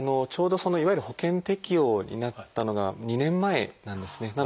ちょうどいわゆる保険適用になったのが２年前なんですね。